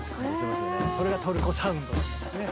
それがトルコサウンドなんですね。